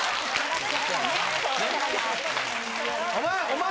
お前！